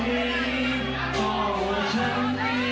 หรือยังจะต่อไป